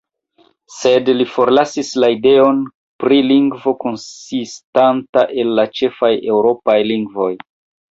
Sed li forlasis la ideon pri lingvo konsistanta el la ĉefaj eŭropaj lingvoj.